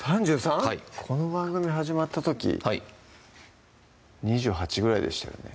この番組始まった時はい２８ぐらいでしたよね？